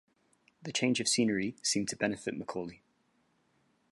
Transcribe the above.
The change of scenery seemed to benefit McCauley.